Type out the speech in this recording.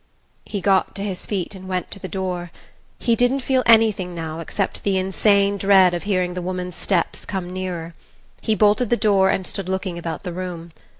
He got to his feet and went to the door. He didn't feel anything now except the insane dread of hearing the woman's steps come nearer. He bolted the door and stood looking about the room.